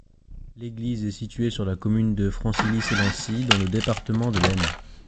L'église est située sur la commune de Francilly-Selency, dans le département de l'Aisne.